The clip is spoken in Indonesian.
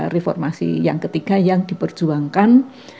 reformasi yang ketiga yang diperjuangkan